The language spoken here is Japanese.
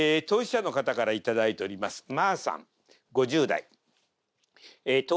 当事者の方から頂いております。